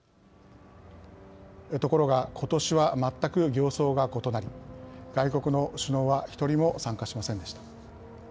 ところがことしは全く形相が異なり外国の首脳は１人も参加しませんでした。